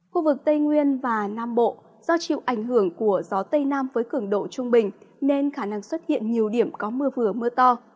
khu vực tây nguyên và nam bộ do chịu ảnh hưởng của gió tây nam với cứng độ trung bình nên khả năng xuất hiện nhiều điểm có mưa vừa mưa to